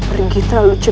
tidak ada kesalahan